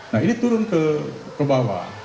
nah ini turun ke bawah